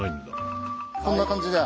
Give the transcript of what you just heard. こんな感じで。